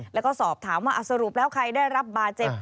แล้วก็สอบถามว่าสรุปแล้วใครได้รับบาดเจ็บ